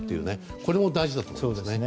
これも大事だと思いますね。